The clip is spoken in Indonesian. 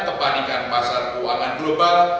kepanikan pasar keuangan global